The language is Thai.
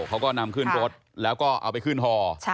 เขาก็นำขึ้นรถแล้วก็เอาไปขึ้นฮอ